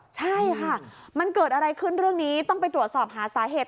ใช่ค่ะมันเกิดอะไรขึ้นเรื่องนี้ต้องไปตรวจสอบหาสาเหตุ